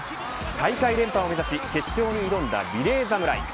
大会連覇を目指し決勝に挑んだリレー侍。